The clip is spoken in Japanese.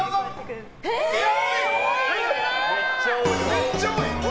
めっちゃ多い！